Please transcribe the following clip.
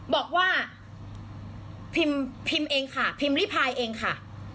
บอกว่าพิมพ์เองค่ะพิมพ์ริพายเองค่ะ